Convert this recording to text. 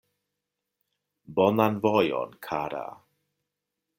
Bonan vojon, kara!